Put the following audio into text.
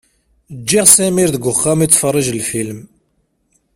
Ǧǧiɣ Samir deg uxxam yettfeṛṛiǧ lfilm.